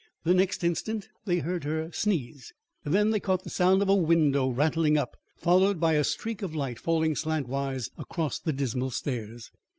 The next instant they heard her sneeze, then they caught the sound of a window rattling up, followed by a streak of light falling slant wise across the dismal stairs.